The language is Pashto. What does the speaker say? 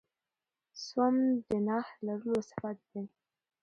سوم د نخښهلرلو صفت دئ.